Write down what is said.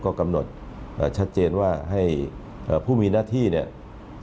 ก็กำหนดชัดเจนว่าให้ผู้มีหน้าที่เนี่ย